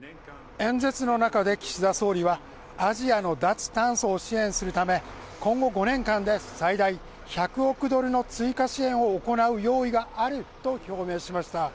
演説の中で岸田総理はアジアの脱炭素を支援するため今後５年間で最大１００億ドルの追加支援を行う用意があると表明しました。